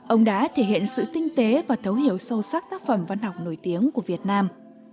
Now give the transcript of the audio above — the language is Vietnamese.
ông đã thể hiện sự tinh tế và thấu hiểu sâu sắc tác phẩm văn học nổi tiếng của việt nam